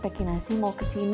terus ini udah seneng dua